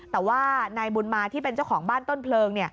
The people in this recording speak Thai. แต่ว่านายบุญมาที่เป็นเจ้าของบ้านต้นเพลิง